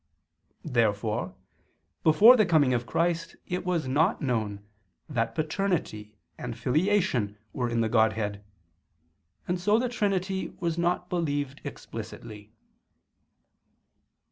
Therefore before the coming of Christ it was not known that Paternity and Filiation were in the Godhead: and so the Trinity was not believed explicitly.